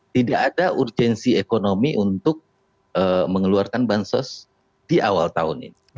tidak ada urgensi ekonomi untuk mengeluarkan bansos di awal tahun ini